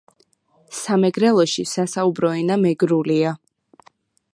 სამეგრელოში სასაუბრო ენა მეგრულია